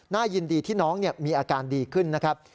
ยินดีที่น้องมีอาการดีขึ้นนะครับ